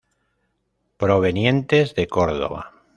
Provenientes de Córdoba.